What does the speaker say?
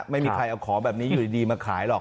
ไม่มีใครเอาของแบบนี้อยู่ดีมาขายหรอก